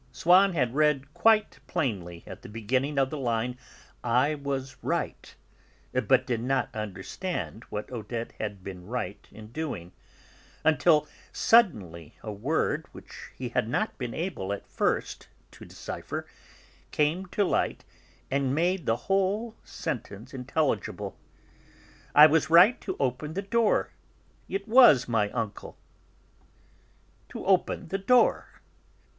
Swann had read quite plainly at the beginning of the line "I was right," but did not understand what Odette had been right in doing, until suddenly a word which he had not been able, at first, to decipher, came to light and made the whole sentence intelligible: "I was right to open the door; it was my uncle." To open the door!